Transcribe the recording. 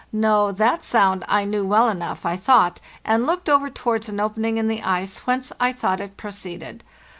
No, that sound I knew well enough, I thought, and looked over towards an opening in the ice whence I thought it proceeded.